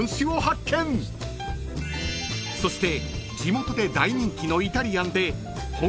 ［そして］